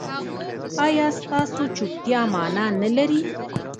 ایا ستاسو چوپتیا معنی نلري؟